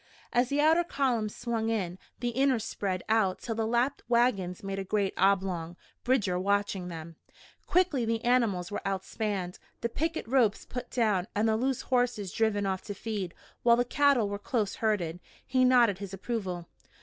As the outer columns swung in, the inner spread out till the lapped wagons made a great oblong, Bridger watching them. Quickly the animals were outspanned, the picket ropes put down and the loose horses driven off to feed while the cattle were close herded. He nodded his approval.